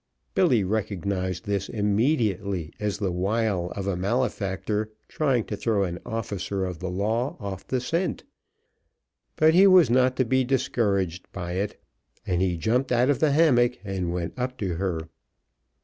Billy recognized this immediately as the wile of a malefactor trying to throw an officer of the law off the scent, but he was not to be discouraged by it, and he jumped out of the hammock and went up to her.